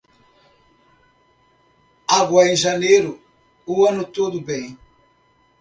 Água em janeiro, o ano todo bem.